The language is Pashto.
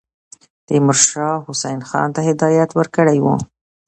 تیمورشاه حسین خان ته هدایت ورکړی وو.